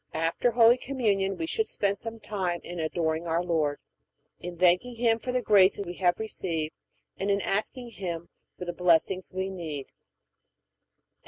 After Holy Communion we should spend some time in adoring our Lord, in thanking Him for the grace we have received, and in asking Him for the blessings we need.